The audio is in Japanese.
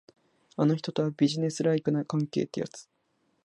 あの人とは、ビジネスライクな関係ってやつ。